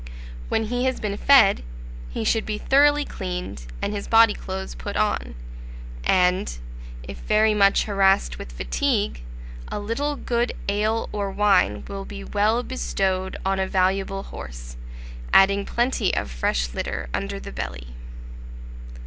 When he has been fed, he should be thoroughly cleaned, and his body clothes put on, and, if very much harassed with fatigue, a little good ale or wine will be well bestowed on a valuable horse, adding plenty of fresh litter under the belly.